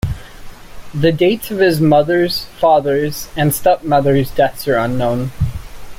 The dates of his mother's, father's, and stepmother's deaths are unknown.